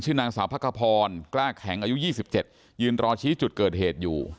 ชื่อนางสาวพักกะพรกล้าแข็งอายุยี่สิบเจ็ดยืนรอชี้จุดเกิดเหตุอยู่